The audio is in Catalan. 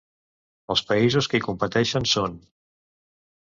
Els països que hi competeixen són: